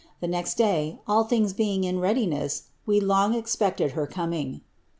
The next day, all things beinff in readiness, we long expected her coming.